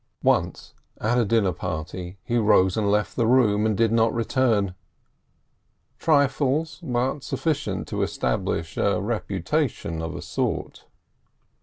Once at a dinner party he rose and left the room, and did not return. Trifles, but sufficient to establish a reputation of a sort.